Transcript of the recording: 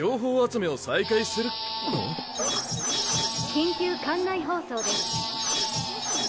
緊急艦内放送です。